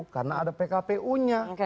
karena ada pkpu nya